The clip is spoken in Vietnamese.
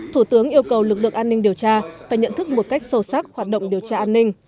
thủ tướng yêu cầu lực lượng an ninh điều tra phải nhận thức một cách sâu sắc hoạt động điều tra an ninh